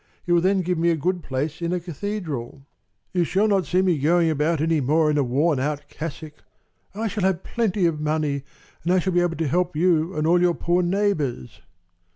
He will then give me a good place in a cathedral. You shall not see me going about any more in a worn out cassock. I shall have plenty of money, and I shall be able to help you and all your poor neighbors."